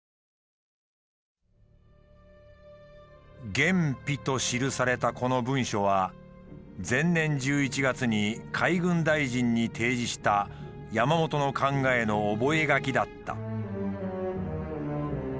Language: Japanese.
「厳秘」と記されたこの文書は前年１１月に海軍大臣に提示した山本の考えの覚書だった。